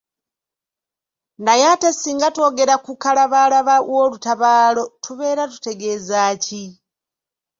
Naye ate singa twogera ku kalabaalaba w'olutabaalo tubeera tutegeeza ki?